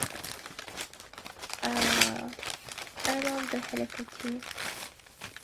These terms of use are forbidden in certain countries.